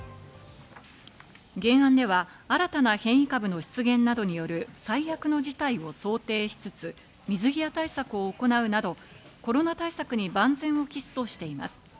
原案では新たな変異株の出現などによる最悪の事態を想定しつつ水際対策を行うなど、コロナ対策に万全を期すとしています。